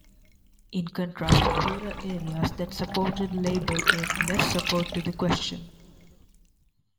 In contrast, poorer areas that supported Labour gave less support to the question.